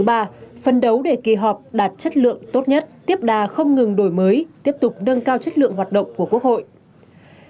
phấn đấu để kỳ họp đạt chất lượng tốt nhất tiếp đà không ngừng đổi mới tiếp tục nâng cao chất lượng hoạt động của quốc hội